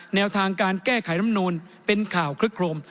แนวทางการแก้ไขรำนูนเป็นข่าวคลึกโครม